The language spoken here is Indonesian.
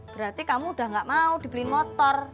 berarti kamu udah ga mau dibeliin motor